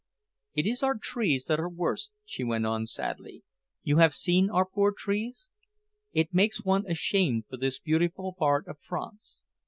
"It is our trees that are worst," she went on sadly. "You have seen our poor trees? It makes one ashamed for this beautiful part of France.